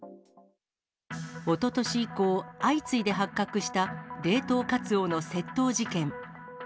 おととし以降、相次いで発覚した冷凍カツオの窃盗事件。